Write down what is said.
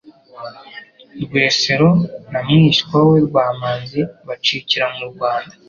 Rwesero na mwishywa we Rwamanzi bacikira mu Rwanda.